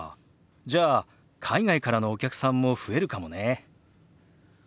じゃあ海外からのお客さんも増えるかもね。